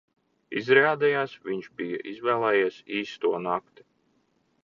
Izrādījās, viņš bija izvēlējies īsto nakti.